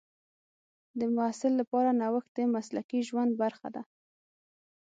د محصل لپاره نوښت د مسلکي ژوند برخه ده.